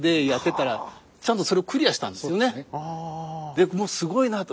でもうすごいなと。